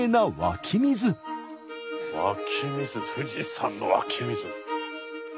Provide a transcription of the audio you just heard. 湧き水富士山の湧き水。